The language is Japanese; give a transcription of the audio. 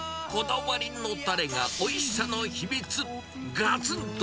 こだわりのたれがおいしさの秘密。